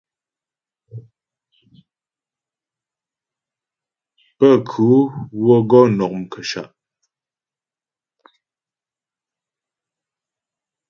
Pənkhʉ wə́ gɔ nɔ' mkəshâ'.